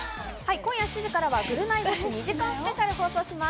今夜７時からは『ぐるナイゴチ２時間スペシャル』を放送します。